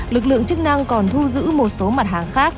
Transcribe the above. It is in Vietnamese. lực lượng chức năng còn thu giữ một số mặt hàng khác